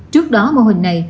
trước đó mô hình này